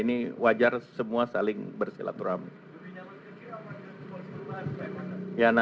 dia juga menggunakan faisal reza